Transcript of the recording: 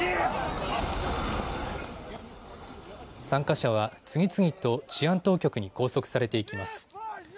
参加者は次々と治安当局に拘束されていきます。